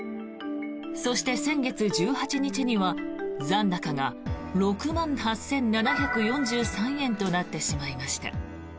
そして先月１８日には残高が６万８７４３円となってしまいました。